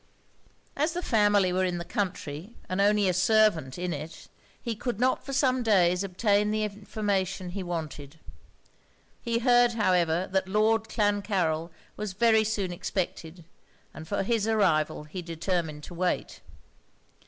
As the family were in the country, and only a servant in it, he could not for some days obtain the information he wanted. He heard, however, that Lord Clancarryl was very soon expected, and for his arrival he determined to wait.